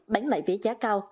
bán lại vé giá cao